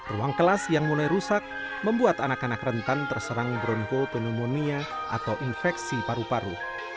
ruang kelas yang mulai rusak membuat anak anak rentan terserang bronco pneumonia atau infeksi paru paru